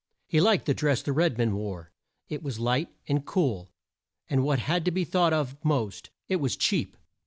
He liked the dress the red men wore. It was light and cool, and, what had to be thought of most, it was cheap.